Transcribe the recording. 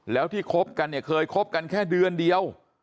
แล้วที่คบกันเนี่ยเคยคบกันแค่เดือนเดียว